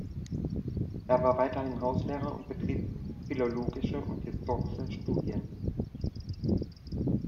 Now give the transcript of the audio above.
Er war weiterhin Hauslehrer und betrieb philologische und historische Studien.